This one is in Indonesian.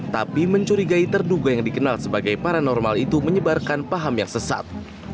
tapi mencurigai terduga yang dikenal sebagai paranormal itu menyebarkan paham yang sesat